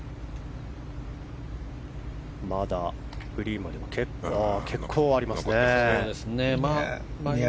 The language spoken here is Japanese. まだグリーンまでは結構ありますね。